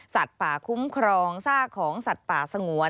ป่าคุ้มครองซากของสัตว์ป่าสงวน